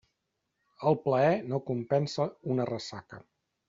El plaer no compensa una ressaca.